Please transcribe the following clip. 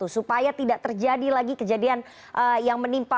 supaya tidak terjadi lagi kejadian yang menimpa